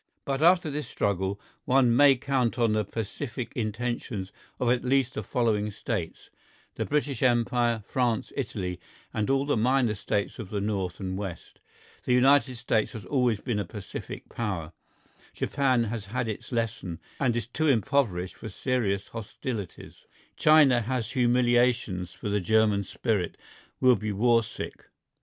But after this struggle one may count on the pacific intentions of at least the following States: The British Empire, France, Italy, and all the minor States of the north and west; the United States has always been a pacific Power; Japan has had its lesson and is too impoverished for serious hostilities; China has never been aggressive; Germany also, unless this war leads to intolerable insults and humiliations for the German spirit, will be war sick.